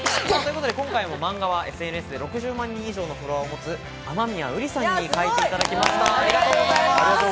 今回も漫画はＳＮＳで６０万人以上のフォロワーを持つ、雨宮うりさんに描いていただきました。